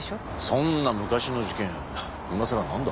そんな昔の事件今さらなんだ？